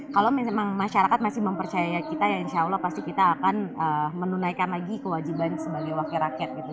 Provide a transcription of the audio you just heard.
kalau memang masyarakat masih mempercayai kita ya insya allah pasti kita akan menunaikan lagi kewajiban sebagai wakil rakyat gitu